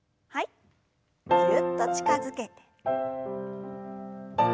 ぎゅっと近づけて。